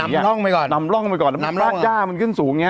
นำร่องไปก่อนนำร่องไปก่อนนำรากย่ามันขึ้นสูงอย่างนี้